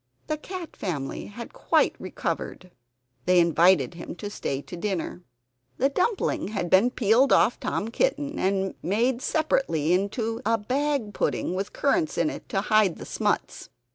The cat family had quite recovered. They invited him to stay to dinner. The dumpling had been peeled off Tom Kitten and made separately into a bag pudding, with currants in it to hide the smuts.